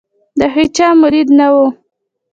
د هیچا مرید نه وو.